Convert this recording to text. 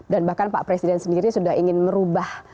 bahkan pak presiden sendiri sudah ingin merubah